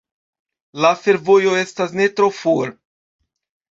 La fervojo estas ne tro for.